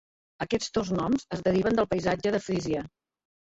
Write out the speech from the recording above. Aquests dos noms es deriven del paisatge de Frísia.